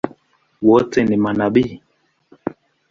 Wote ni manabii?